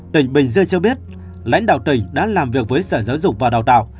tỉnh bình dương cho biết lãnh đạo tỉnh đã làm việc với sở giáo dục và đào tạo